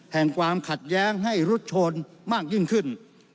แห่งความขัดแย้งให้รุดโชนมากยิ่งขึ้น